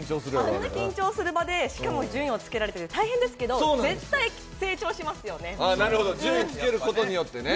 あんな緊張する場でしかも順位をつけられて大変ですけど絶対成長しますよね。